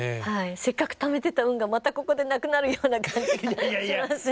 せっかくためてた運がまたここでなくなるような感じがします。